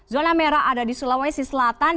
zona merah ada di sulawesi selatan